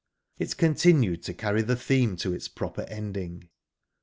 It continued to carry the theme to its proper ending.